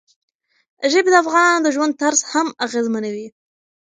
ژبې د افغانانو د ژوند طرز هم اغېزمنوي.